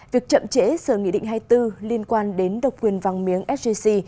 việc chậm chế sự nghị định hai mươi bốn liên quan đến độc quyền vàng miếng sgc